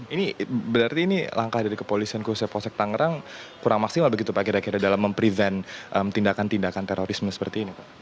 ini berarti ini langkah dari kepolisian khususnya posek tangerang kurang maksimal begitu pak kira kira dalam memprevent tindakan tindakan terorisme seperti ini pak